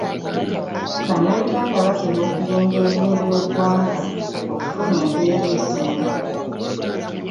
Bannayuganda batera okugenda ebweru w'eggwanga okufuna embeera esingako.